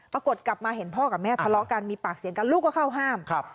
ปรากฏกลับมาเห็นพ่อกับแม่ทะเลาะกันมีปากเสียงกันลูกก็เข้าห้าม